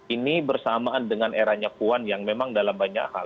ini bersamaan dengan eranya puan yang memang dalam banyak hal